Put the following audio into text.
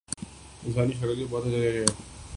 انسانی شکل کے بت کثیر تعداد میں نظر آتے ہیں